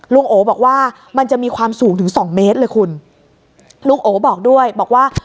โอบอกว่ามันจะมีความสูงถึงสองเมตรเลยคุณลุงโอบอกด้วยบอกว่า